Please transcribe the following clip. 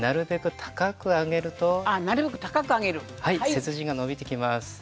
背筋が伸びてきます。